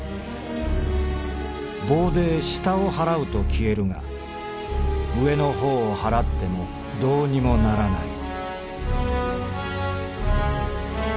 棒で下を払うと消えるが上の方を払ってもどうにもならない」。